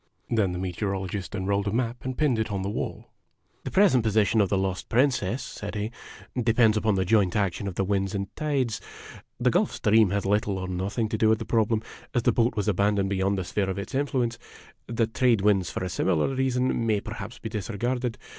Then the Meteorologist unrolled a map and pinned it on the wall. " The present position of the lost Princess," said he, "depends upon the joint action of the winds and tides. The Gulf Stream has little or nothing to do with the problem, as the boat was abandoned beyond the sphere of its influence. The trade winds for a similar reason may perhaps be disregarded.